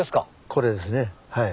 これですねはい。